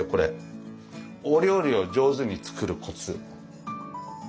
お料理を上手に作るコツ。